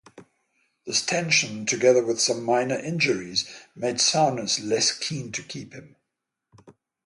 This tension together with some minor injuries made Souness less keen to keep him.